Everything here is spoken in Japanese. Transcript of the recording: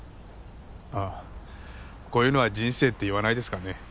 ああこういうのは人生って言わないですかね？